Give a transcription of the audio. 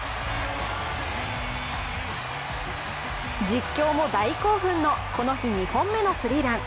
実況も大興奮のこの日２本目のスリーラン。